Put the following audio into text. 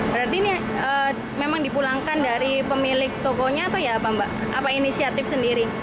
berarti ini memang dipulangkan dari pemilik tokonya atau ya apa mbak apa inisiatif sendiri